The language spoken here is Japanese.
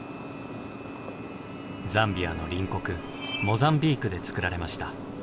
ザンビアの隣国モザンビークで作られました。